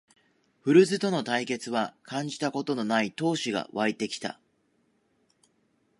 古巣との対決は感じたことのない闘志がわいてきた